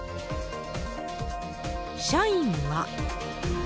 社員は。